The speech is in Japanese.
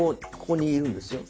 ここにいるんですよ。